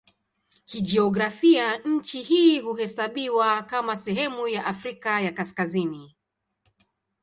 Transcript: Kijiografia nchi hii huhesabiwa kama sehemu ya Afrika ya Kaskazini.